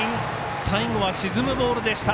最後は沈むボールでした。